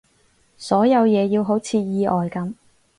所有嘢要好似意外噉